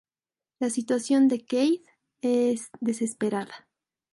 La situación de Keith es desesperada.